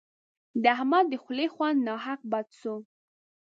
د احمد د خولې خوند ناحق بد سو.